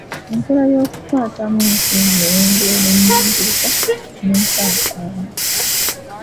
Enkola y'okukwatamu ensimbi erondoola ennyingiza n'ensaasaanya.